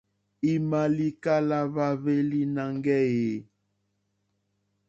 I ma likala hwa hweli nangɛ eeh?